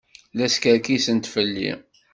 La skerkisent fell-i.